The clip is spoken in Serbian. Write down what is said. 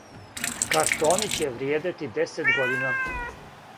Картони ће вриједити десет година.